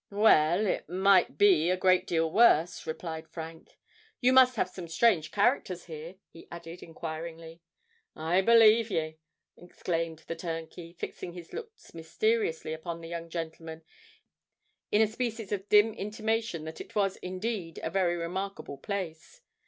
"Well—it might be a great deal worse," replied Frank. "You must have some strange characters here?" he added, enquiringly. "I b'lieve ye!" exclaimed the turnkey, fixing his looks mysteriously upon the young gentleman in a species of dim intimation that it was indeed a very remarkable place.